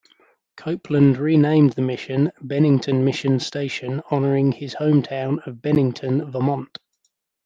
Copeland renamed the mission Bennington Mission Station, honoring his home town of Bennington, Vermont.